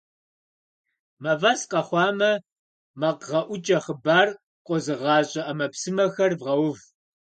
Мафӏэс къэхъуамэ, макъгъэӏукӏэ хъыбар къозыгъащӏэ ӏэмэпсымэхэр вгъэув! .